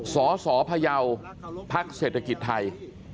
สสพยภเศรษฐกิจไทย